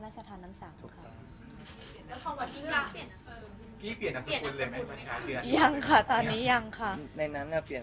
จริงสินสอดเนี่ย